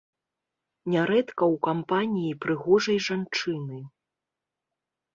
Нярэдка ў кампаніі прыгожай жанчыны.